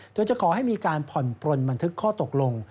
โดยจะขอให้มีการผ่อนปลนบันทึกข้อตกลง